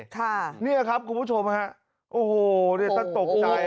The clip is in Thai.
ค่ะนี่แหละครับคุณผู้ชมฮะโอ้โหนี่ต้านตกใจ